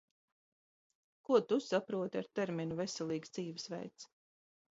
Ko Tu saproti ar terminu "veselīgs dzīvesveids"?